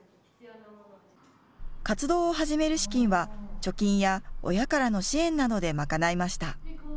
活動を始める資金は貯金や親からの支援などで賄いました。